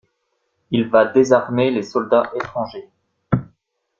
Il va désarmer les soldats étrangers.